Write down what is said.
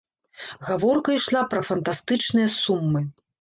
Гаворка ішла пра фантастычныя сумы.